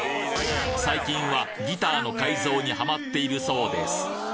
最近はギターの改造にハマっているそうです